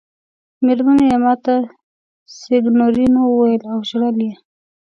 مېرمنې یې ما ته سېګنورینو وویل او ژړل یې.